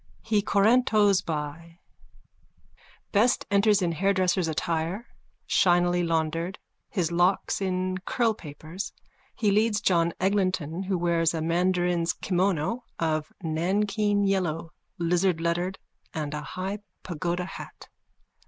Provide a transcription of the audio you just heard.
_(He corantos by. Best enters in hairdresser's attire, shinily laundered, his locks in curlpapers. He leads John Eglinton who wears a mandarin's kimono of Nankeen yellow, lizardlettered, and a high pagoda hat.)